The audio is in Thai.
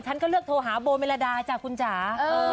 ฉันก็เลือกโทรหาโบเมลดาจ้ะคุณจ๋า